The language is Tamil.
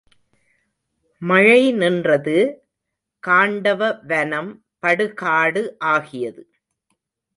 மழை நின்றது காண்டவ வனம் படுகாடு ஆகியது.